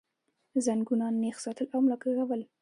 زنګونان نېغ ساتل او ملا کږول